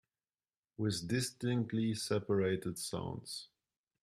With distinctly separated sounds